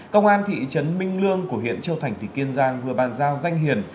công an thị trấn minh lương của huyện châu thành tỉnh kiên giang vừa bàn giao danh hiền